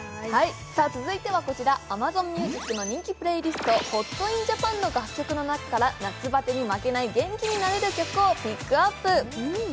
続いてはこちら、ＡｍａｚｏｎＭｕｓｉｃの人気プレイリスト、「ＨｏｔＩｎＪａｐａｎ」の楽曲の中から夏バテに負けない元気になれる曲をピックアップ。